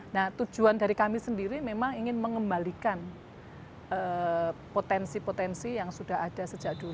nah tujuan dari kami sendiri memang ingin mengembalikan potensi potensi yang sudah ada sejak dulu